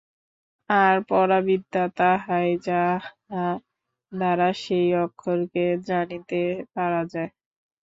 আর পরাবিদ্যা তাহাই, যাহা দ্বারা সেই অক্ষরকে জানিতে পারা যায়।